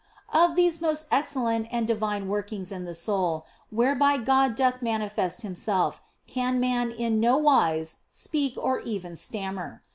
Of these most excellent and divine workings in the 190 THE BLESSED ANGELA soul whereby God doth manifest Himself, can man in no wise speak or even stammer.